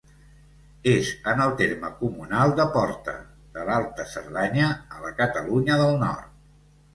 És en el terme comunal de Porta, de l'Alta Cerdanya, a la Catalunya del Nord.